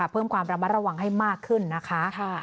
เพิ่มความระมัดระวังให้มากขึ้นนะคะ